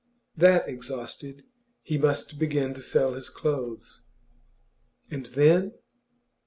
That exhausted, he must begin to sell his clothes. And then